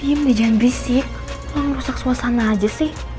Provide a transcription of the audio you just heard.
diam deh jangan bisik luar ngerusak suasana aja sih